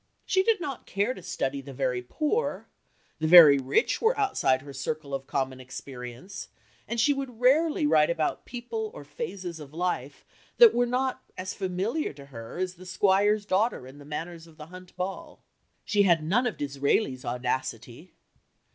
She did not care to study the very poor, the very rich were outside her circle of common experience, and she would rarely write about people or phases of life that were not as familiar to her as the squire's daughter and the manners of the hunt ball. She had none of Disraeli's audacity.